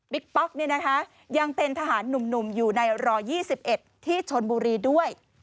บิ๊กป๊อกเนี่ยนะคะยังเป็นทหารหนุ่มอยู่ในร๒๑ที่ชนบุรีด้วย